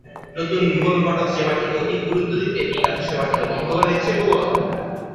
নতুন Google Photos সেবাটিকে অধিক গুরুত্ব দিতে পিকাসা সেবাটিকে বন্ধ করে দিচ্ছে গুগল।